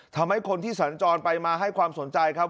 ทำให้คนที่สัญจรไปมาให้ความสนใจครับ